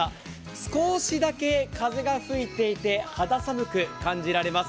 少しだけ風が吹いていて、肌寒く感じられます。